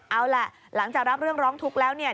เอาล่ะหลังจากรับเรื่องร้องทุกข์แล้วเนี่ย